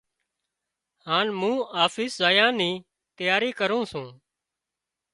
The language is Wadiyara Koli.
هانَ مُون آفيس زايا نِي تياري ڪروُن سُون۔